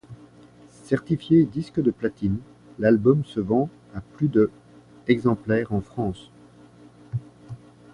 Certifié disque de platine, l'album se vend à plus de exemplaires en France.